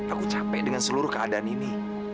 aku capek dengan seluruh keadaan ini